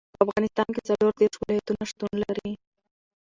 په افغانستان کې څلور دېرش ولایتونه شتون لري.